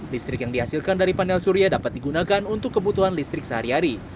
listrik yang dihasilkan dari panel surya dapat digunakan untuk kebutuhan listrik sehari hari